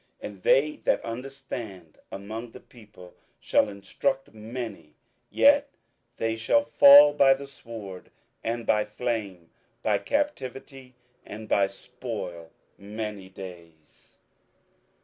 27:011:033 And they that understand among the people shall instruct many: yet they shall fall by the sword, and by flame, by captivity, and by spoil, many days.